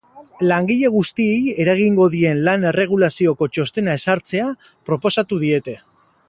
Langile guztiei eragingo dien lan erregulazioko txostena ezartzea proposatu diete.